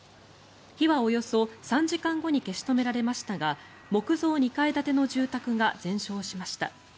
火はおよそ３時間後に消し止められましたが木造２階建ての住宅が全焼しました。